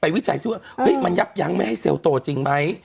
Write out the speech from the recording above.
วิจัยซิว่ามันยับยั้งไม่ให้เซลลโตจริงไหม